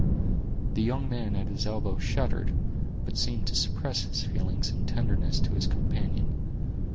The young man at his elbow shuddered, but seemed to suppress his feelings in tenderness to his companion.